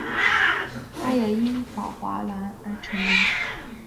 他也因宝华蓝而成名。